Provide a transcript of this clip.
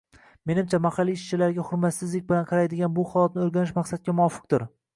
Menimcha, mahalliy ishchilarga hurmatsizlik bilan qaraladigan bu holatni o'rganish maqsadga muvofiqdir